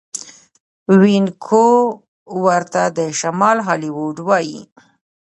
وینکوور ته د شمال هالیوډ وايي.